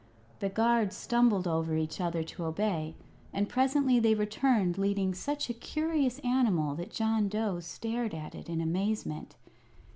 The guards stumbled over each other to obey; and presently they returned leading such a curious animal that John Dough stared at it in amazement.